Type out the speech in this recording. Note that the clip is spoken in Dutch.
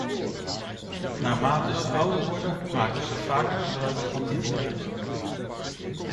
Naarmate ze ouder worden, maken ze vaker gebruik van internet.